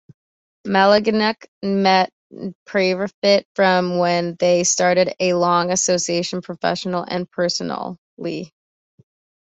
Malagnac met Peyrefitte, from when they started a long association professionally and personally.